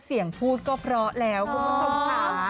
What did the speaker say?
เสียงพูดก็เพราะแล้วคุณผู้ชมค่ะ